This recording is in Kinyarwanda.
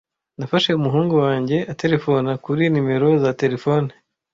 Nafashe umuhungu wanjye aterefona kuri nimero za terefone.